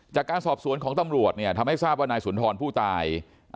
จากการสอบสวนของตำรวจเนี่ยทำให้ทราบว่านายสุนทรผู้ตาย